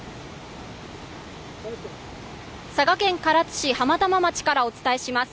佐賀県唐津市浜玉町からお伝えします